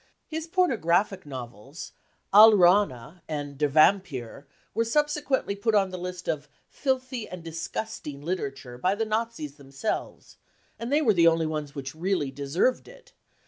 His pornographic novels, Alraune and Der Vampyr were subsequently put on the list of " filthy and disgusting literature 55 by the Nazis themselves (and they were the only ones which really deserved it